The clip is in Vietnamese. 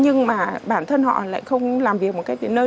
nhưng mà bản thân họ lại không làm việc một cách đến nơi